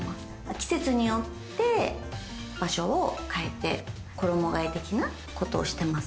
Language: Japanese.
季節によって場所を変えて、衣替え的なことをしてます。